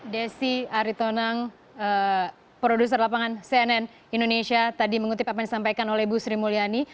desi aritonang produser lapangan cnn indonesia tadi mengutip apa yang disampaikan oleh bu sri mulyani